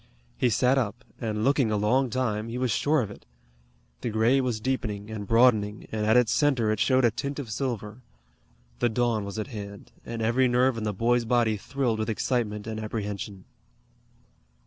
He sat up, and looking a long time, he was sure of it. The gray was deepening and broadening, and at its center it showed a tint of silver. The dawn was at hand, and every nerve in the boy's body thrilled with excitement and apprehension.